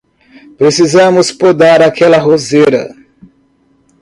Precisamos podar aquela roseira.